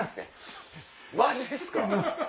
マジっすか！